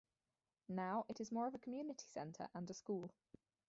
Now, it is more of a community centre and a school.